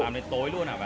làm đến tối luôn hả bà